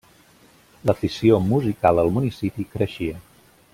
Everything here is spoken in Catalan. L'afició musical al municipi creixia.